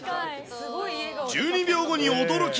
１２秒後に驚き！